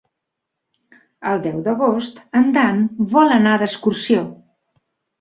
El deu d'agost en Dan vol anar d'excursió.